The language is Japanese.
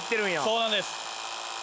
そうなんです。